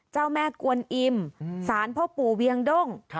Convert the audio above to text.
เจ้าแม่กวนอิ่มสารพ่อปู่เวียงด้ง